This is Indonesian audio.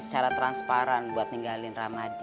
secara transparan buat ninggalin ramadan